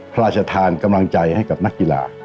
พระราชทานกำลังใจให้กับนักกีฬา